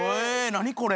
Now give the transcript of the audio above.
何これ？